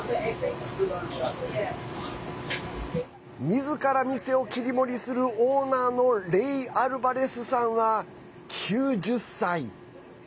みずから店を切り盛りするオーナーのレイ・アルバレスさんは９０歳。